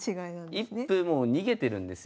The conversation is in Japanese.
一歩もう逃げてるんですよ。